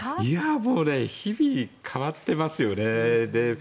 もう日々変わってますよね。